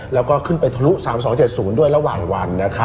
แล้วก็ขึ้นไปทะลุ๓๒๗๐ด้วยระหว่างวัน